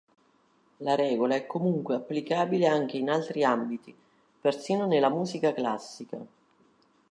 La regola è comunque applicabile anche in altri ambiti, persino nella musica classica.